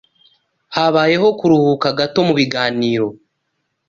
Habayeho kuruhuka gato mubiganiro.